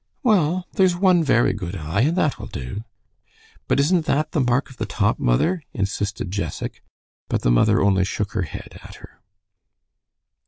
"Well, there's one very good eye, and that will do." "But isn't that the mark of the top, mother?" insisted Jessac. But the mother only shook her head at her.